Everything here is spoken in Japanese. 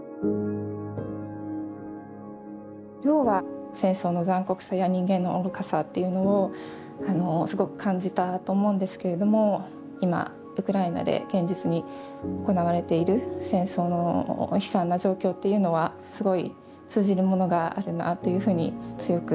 ルオーは戦争の残酷さや人間の愚かさをすごく感じたと思うんですけれども今ウクライナで現実に行われている戦争の悲惨な状況というのはすごい通じるものがあるなというふうに強く感じます。